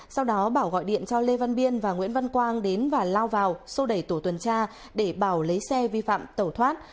sau đó bảo gọi điện cho lê văn biên và nguyễn văn quang đến và lao vào xô đẩy tổ tuần tra để bảo lấy xe vi phạm tẩu thoát